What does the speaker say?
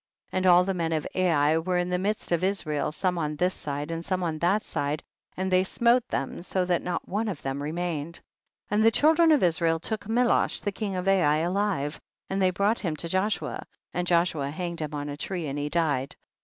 45. And all the men of Ai were in the midst of Israel, some on this side and some on that side, and they smote them so that not one of them re mained. 46. And the children of Israel took Melosh king of Ai alive, and they brought him to Joshua, and Joshua hanged him on a tree and he died.